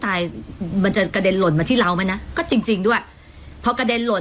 มันจะกระเด็นหล่นมาที่เราไหมนะก็จริงจริงด้วยพอกระเด็นหล่น